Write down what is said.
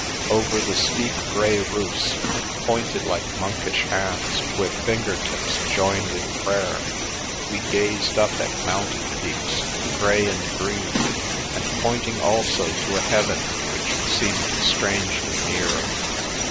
Over the steep grey roofs (pointed like monkish hands with finger tips joined in prayer) we gazed up at mountain peaks, grey and green, and pointing also to a heaven which seemed strangely near.